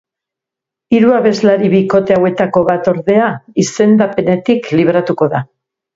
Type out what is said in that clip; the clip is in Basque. Hiru abeslari bikote hauetako bat, ordea, izendapenetik libratuko da.